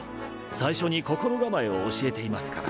最初に心構えを教えていますから。